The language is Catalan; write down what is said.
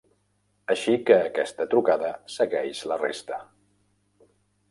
Així que aquesta trucada segueix la resta.